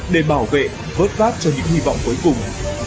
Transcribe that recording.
để bảo vệ vớt vát cho những hy vọng cuối cùng